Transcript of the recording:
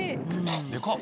でかっ！